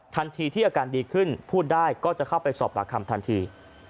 ทันทีที่อาการดีขึ้นพูดได้ก็จะเข้าไปสอบปากคำทันที